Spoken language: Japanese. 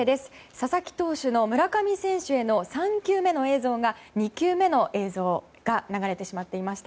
佐々木投手の村上選手への３球目の映像が２球目の映像が流れてしまっていました。